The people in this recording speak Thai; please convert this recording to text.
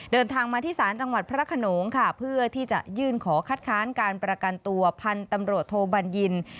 เดินทางมาที่ศาลจังหวัดพระขนงค่ะเพื่อที่จะยื่นขอคัดค้านการประกันตัวพันธุ์ตำรวจโทบัญญิน